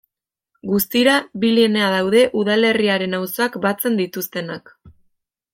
Guztira bi linea daude udalerriaren auzoak batzen dituztenak.